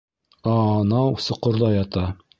А-а-анау соҡорҙа ята.